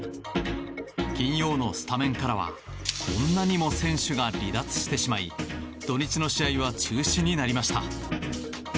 金曜日のスタメンからはこんなにも選手が離脱してしまい土日の試合は中止になりました。